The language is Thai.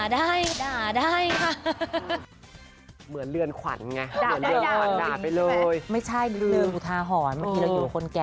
ด่าได้ไหมคะ